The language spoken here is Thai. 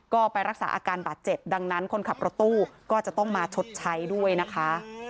ก็ไปรักษาอาการบาดเจ็บดังนั้นคนขับรถตู้ก็จะต้องมาชดใช้ด้วยนะคะ